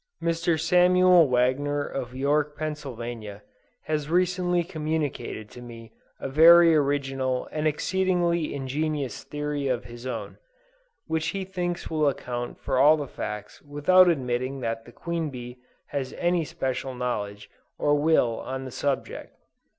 Mr. Samuel Wagner of York, Pa., has recently communicated to me a very original and exceedingly ingenious theory of his own, which he thinks will account for all the facts without admitting that the Queen Bee has any special knowledge or will on the subject.